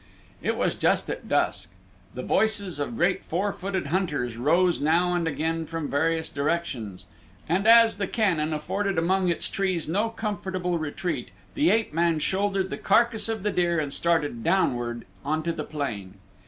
It was just at dusk. The voices of great four footed hunters rose now and again from various directions, and as the canyon afforded among its trees no comfortable retreat the ape man shouldered the carcass of the deer and started downward onto the plain.